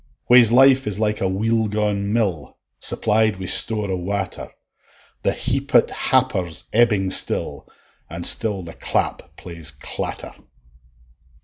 Whase life is like a weel gaun mill, Supplied wi' store o' water; The heaped happer's ebbing still, An' still the clap plays clatter.